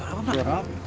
salah apa mak